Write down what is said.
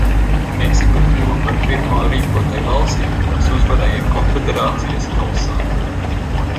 Meksika kļuva par pirmo rīkotājvalsti, kas uzvarēja Konfederāciju kausā.